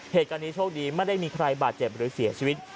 เหตุการณ์นี้โชคดีไม่ได้มีใครบาดเจ็บหรือเสียชีวิต